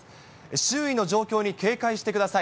周囲の状況に警戒してください。